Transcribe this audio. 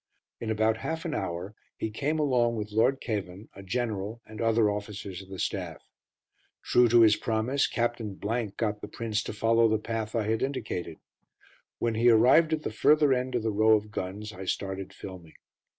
In about half an hour he came along with Lord Cavan, a general, and other officers of the staff. True to his promise, Captain got the Prince to follow the path I had indicated. When he arrived at the further end of the row of guns, I started filming.